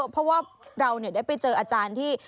เพราะว่าเราได้ไปเจออาจารย์ที่